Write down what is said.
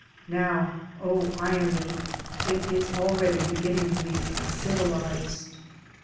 (Now oh, irony V it is already beginning to be civilized